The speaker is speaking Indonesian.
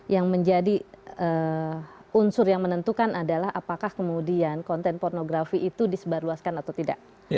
yang menjadi unsur yang menentukan adalah apakah kemudian konten pornografi itu disebarluaskan atau tidak